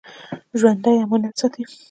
ژوندي امانت ساتي